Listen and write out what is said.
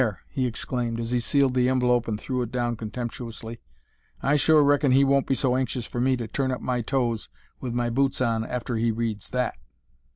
he exclaimed, as he sealed the envelope and threw it down contemptuously; "I sure reckon he won't be so anxious for me to turn up my toes with my boots on after he reads that."